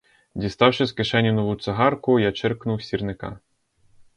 Діставши з кишені нову цигарку, я чиркнув сірника.